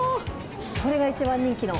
これが一番人気の？